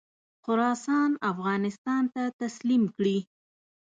خراسان افغانستان ته تسلیم کړي.